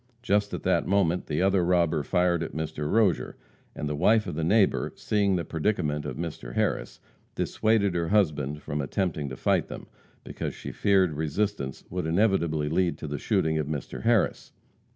Just at that moment the other robber fired at Mr. Rozier, and the wife of the neighbor, seeing the predicament of Mr. Harris, dissuaded her husband from attempting to fight them, because she feared resistance would inevitably lead to the shooting of Mr. Harris.